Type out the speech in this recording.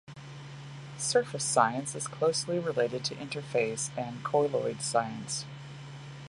Surface science is closely related to interface and colloid science.